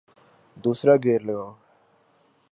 دوسرا گیئر لگاؤ